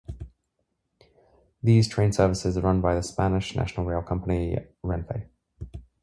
These train services are run by the Spanish national rail company, Renfe.